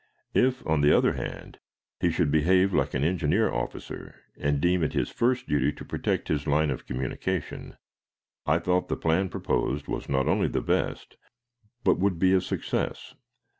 If, on the other hand, he should behave like an engineer officer, and deem it his first duty to protect his line of communication, I thought the plan proposed was not only the best, but would be a success.